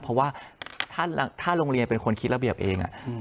เพราะว่าถ้าโรงเรียนเป็นคนคิดระเบียบเอง